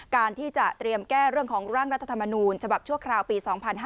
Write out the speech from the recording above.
การที่จะเตรียมแก้เรื่องของร่างรัฐธรรมนูญฉบับชั่วคราวปี๒๕๕๙